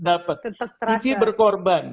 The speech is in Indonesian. dapat tv berkorban